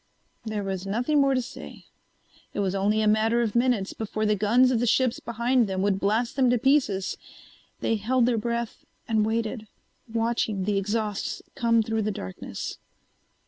There was nothing more to say. It was only a matter of minutes before the guns of the ships behind them would blast them to pieces. They held their breath and waited, watching the exhausts come through the darkness.